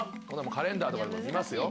カレンダーとかでも見ますよ。